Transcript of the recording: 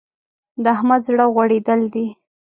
د احمد زړه غوړېدل دی.